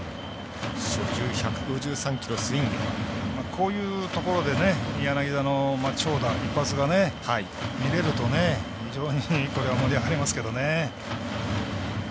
こういうところで柳田の長打一発が見れると非常にこれは盛り上がりますけどね。